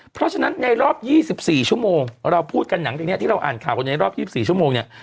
เพราะฉะนั้นในรอบ๒๔ชั่วโมงเราพูดกันหลังจากนี้ที่เราอ่านข่าวกันในรอบ๒๔ชั่วโมงเนี่ย